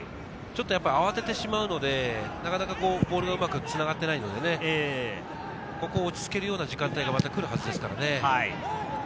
ちょっと慌ててしまうので、なかなかボールがうまくつながっていないので、ここ、落ち着けるような時間帯がまた来るはずですからね。